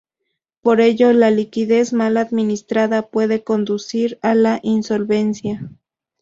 Por ello, la liquidez mal administrada puede conducir a la insolvencia.